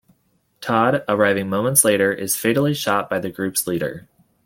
Todd, arriving moments later, is fatally shot by the group's leader.